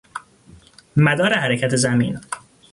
مدار حرکت زمین